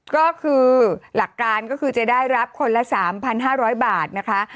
ก็คือหลักการก็คือจะได้รับคนละ๓๕๐๐บาทนะคะ